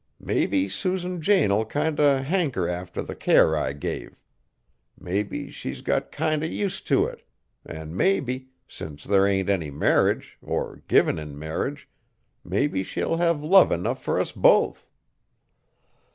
Maybe Susan Jane'll kind o' hanker arter the care I gave. Maybe she's got kinder use t' it; and maybe, since there ain't any marriage, or givin' in marriage, maybe she'll have love enough fur us both!"